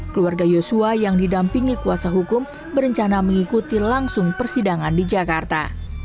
keluarga yosua yang didampingi kuasa hukum berencana mengikuti langsung persidangan di jakarta